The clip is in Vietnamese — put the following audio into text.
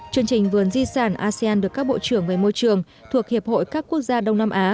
chương trình vườn di sản asean được các bộ trưởng về môi trường thuộc hiệp hội các quốc gia đông nam á